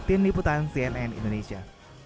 ibutan cnn indonesia